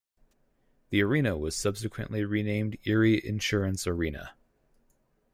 The arena was subsequently renamed Erie Insurance Arena.